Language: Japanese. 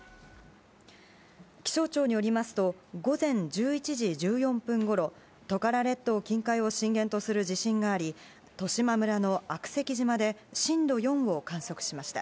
気象庁によりますと午前１１時１４分ごろトカラ列島近海を震源とする地震があり十島村の悪石島で震度４を観測しました。